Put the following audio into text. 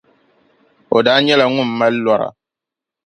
o daa nyɛla ŋun daa mali lɔra.